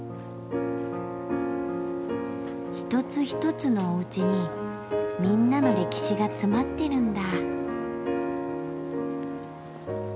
一つ一つのおうちにみんなの歴史が詰まってるんだ。